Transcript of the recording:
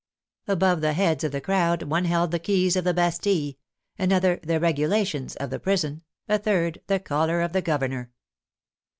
Above the heads of the crowd one held the keys of the Bastille, another the " regulations " of the prison, a third the collar of the governor.